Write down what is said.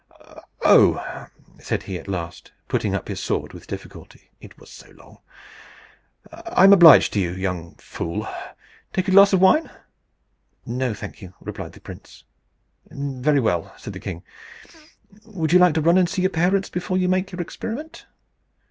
"Oh!" said he at last, putting up his sword with difficulty, it was so long; "I am obliged to you, you young fool! Take a glass of wine?" "No, thank you," replied the prince. "Very well," said the king. "Would you like to run and see your parents before you make your experiment?"